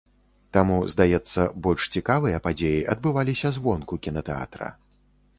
Таму, здаецца, больш цікавыя падзеі адбываліся звонку кінатэатра.